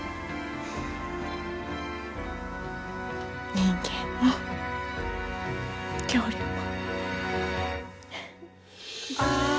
人間も恐竜も。